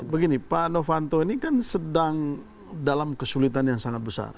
begini pak novanto ini kan sedang dalam kesulitan yang sangat besar